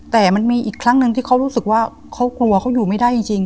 แต่มันมีอีกครั้งหนึ่งที่เขารู้สึกว่าเขากลัวเขาอยู่ไม่ได้จริง